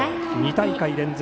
２大会連続